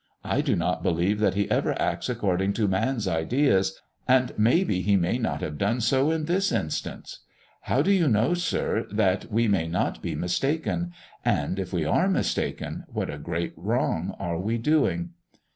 I do not believe that He ever acts according to man's ideas, and maybe He may not have done so in this instance. How do you know, sir, that we may not be mistaken? And, if we are mistaken, what a great wrong are we doing!"